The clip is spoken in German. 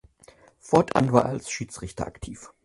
Fortan war er als Schiedsrichter aktiv.